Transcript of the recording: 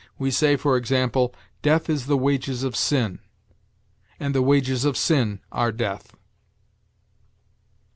We say, for example, "Death is the wages of sin," and "The wages of sin are death."